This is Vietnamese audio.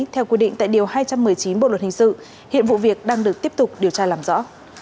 theo quy định tại điều hai trăm một mươi chín bộ luật hình sự hiện vụ việc đang được tiếp tục điều tra làm rõ